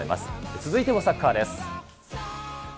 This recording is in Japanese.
続いてもサッカーです。